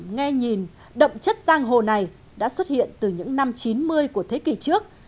nghe nhìn đậm chất giang hồ này đã xuất hiện từ những năm chín mươi của thế kỷ trước